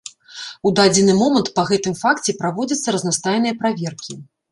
У дадзены момант па гэтым факце праводзяцца разнастайныя праверкі.